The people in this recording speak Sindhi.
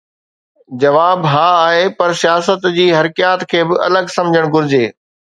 جواب ها آهي، پر سياست جي حرڪيات کي به الڳ سمجهڻ گهرجي.